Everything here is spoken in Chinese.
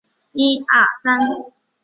角色不清角色中断角色失败